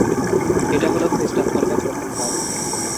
এটা হলো খ্রিস্টান ধর্মের প্রথম ধাপ।